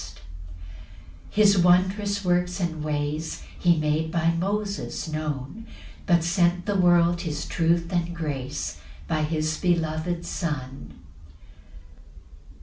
6 His wondrous works and ways He made by Moses known; But sent the world his truth and grace By his beloved Son.